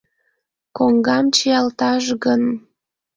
— Коҥгам чиялташ гын...